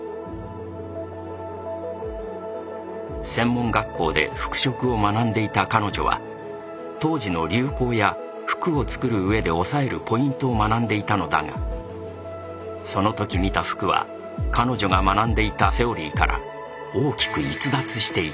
専門学校で服飾を学んでいた彼女は当時の流行や服を作る上で押さえるポイントを学んでいたのだがその時見た服は彼女が学んでいたセオリーから大きく逸脱していた。